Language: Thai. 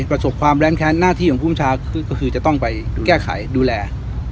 ประสบความแรงแค้นหน้าที่ของภูมิชาก็คือจะต้องไปแก้ไขดูแล